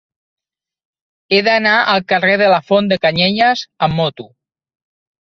He d'anar al carrer de la Font de Canyelles amb moto.